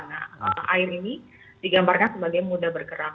nah air ini digambarkan sebagai mudah bergerak